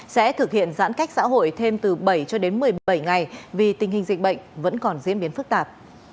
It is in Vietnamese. sẽ thực hiện giãn cách xã hội thêm từ bảy cho đến một mươi bảy ngày vì tình hình dịch bệnh vẫn còn diễn biến phức tạp